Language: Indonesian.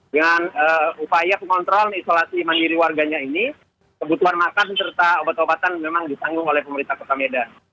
dengan upaya pengontrol isolasi mandiri warganya ini kebutuhan makan serta obat obatan memang ditanggung oleh pemerintah kota medan